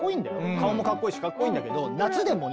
顔もかっこいいしかっこいいんだけど夏？